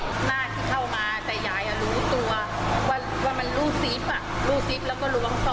หมดมาไม่รู้เท่าไหร่มัน๑๐ตัวพอแล้ว